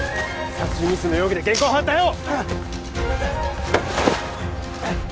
殺人未遂の容疑で現行犯逮捕！